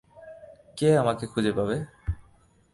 কে আমাকে খুঁজে পাবে।